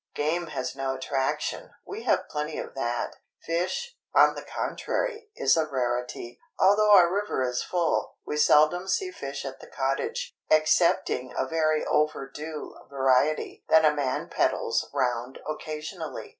Game has no attraction—we have plenty of that. Fish, on the contrary, is a rarity. Although our river is full, we seldom see fish at the cottage, excepting a very over due variety that a man peddles round occasionally.